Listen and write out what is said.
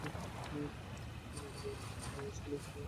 নিজে বিনা বেতনে এই স্কুলে বালিকাদের শিক্ষা দিতেন।